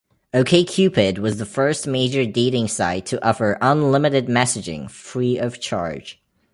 OkCupid was the first major dating site to offer unlimited messaging free of charge.